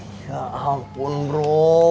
ya ampun bro